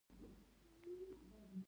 انصاف ښه دی.